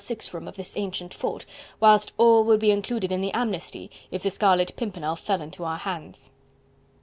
6 room of this ancient fort, whilst all would be included in the amnesty if the Scarlet Pimpernel fell into our hands..."